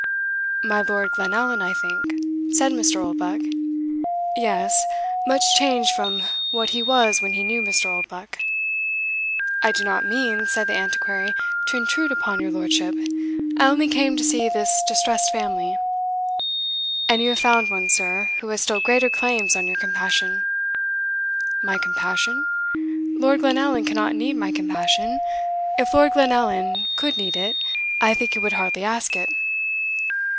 "My Lord Glenallan, I think?" said Mr. Oldbuck. "Yes much changed from what he was when he knew Mr. Oldbuck." "I do not mean," said the Antiquary, "to intrude upon your lordship I only came to see this distressed family." "And you have found one, sir, who has still greater claims on your compassion." "My compassion? Lord Glenallan cannot need my compassion. If Lord Glenallan could need it, I think he would hardly ask it."